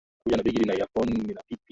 Baada ya Vita ya miaka saba Uingereza